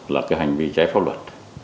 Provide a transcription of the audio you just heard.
là cái hành vi trái pháp luật